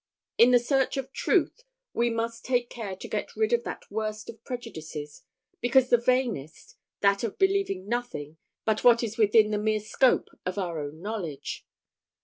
In the search for truth, we must take care to get rid of that worst of prejudices, because the vainest that of believing nothing but what is within the mere scope of our own knowledge.